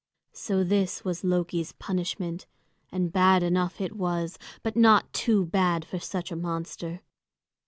So this was Loki's punishment, and bad enough it was, but not too bad for such a monster.